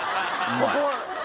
ここ。